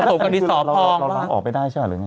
ถ้าล้างออกไปได้ใช่ไหม